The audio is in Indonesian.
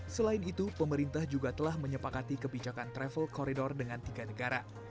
selain itu pemerintah juga telah menyepakati kebijakan travel corridor dengan tiga negara